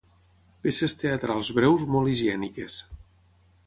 Peces teatrals breus molt higièniques.